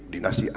dinasti apa ya